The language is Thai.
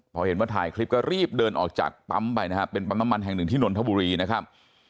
พอเห็นว่าถ่ายคลิปก็รีบเดินออกจากปั๊มไปนะฮะเป็นปั๊มน้ำมันแห่งหนึ่งที่นนทบุรีนะครับ